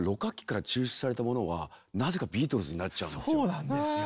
そうなんですよ。